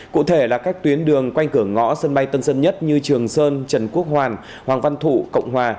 cụ thể là các tuyến đường quanh cửa ngõ sân bay tân sơn nhất như trường sơn trần quốc hoàn hoàng văn thụ cộng hòa